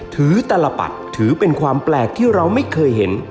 ตลปัดถือเป็นความแปลกที่เราไม่เคยเห็น